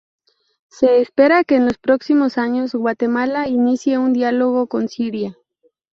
Se espera que en los próximos años, Guatemala inicie un diálogo con Siria.